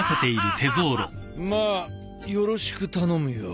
まあよろしく頼むよ。